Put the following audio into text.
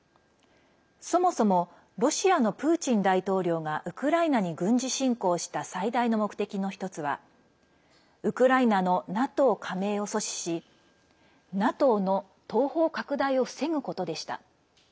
そもそもロシアのプーチン大統領がウクライナに軍事侵攻した最大の目的の１つはウクライナのＮＡＴＯ加盟を阻止しＮＡＴＯの東方拡大を防ぐことでした。